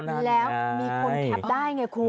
อ้าววมีคนแก๊บได้ไงคุณ